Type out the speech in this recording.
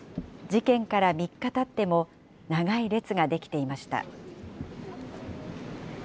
事件から３日たっても、長い列が出来ていました。